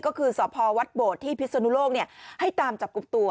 ก็คือสพวัดโบดที่พิศนุโลกให้ตามจับกลุ่มตัว